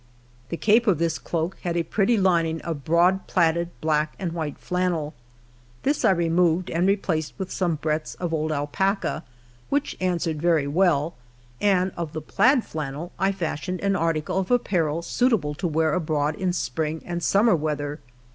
The cape of this cloak had n pretty lining of broad plaided black and white flannel. This 1 removed and re HALF A DIME A DAY. 9 placed with some breadths of old alpaca, which answered very well, and of the plaid iiannel I fashioned an article of apparel suitable to wear abroad in spring and summer weather.